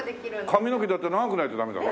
髪の毛だって長くないとダメだろ？